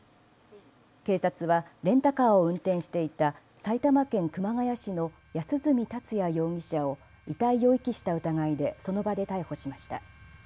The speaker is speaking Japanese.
警察はレンタカーを運転していた埼玉県熊谷市の安栖達也容疑者を遺体を遺棄した疑いでその場で逮捕しました。